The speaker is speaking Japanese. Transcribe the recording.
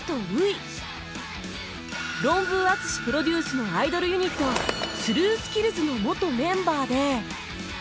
ロンブー淳プロデュースのアイドルユニットスルースキルズの元メンバーで